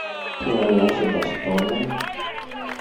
Και αλλάζοντας τόνο